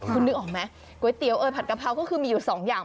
คุณนึกออกไหมก๋วยเตี๋ยวเอ่ยผัดกะเพราก็คือมีอยู่สองอย่าง